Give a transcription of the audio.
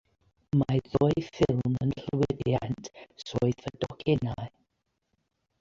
Mae'r ddwy ffilm yn llwyddiant swyddfa docynnau.